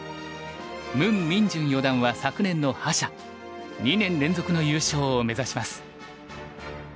ムン・ミンジョン四段は昨年の覇者２年連続の優勝を目指します。